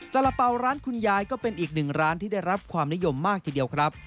สาระเป๋าร้านคุณยายก็เป็นอีกหนึ่งร้านที่ได้รับความนิยมมากทีเดียวครับ